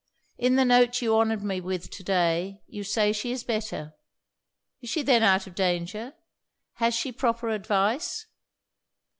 In the note you honoured me with to day you say she is better. Is she then out of danger? Has she proper advice?'